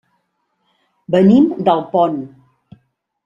Venim d'Alpont.